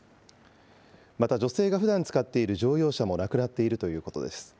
また、女性がふだん使っている乗用車もなくなっているということです。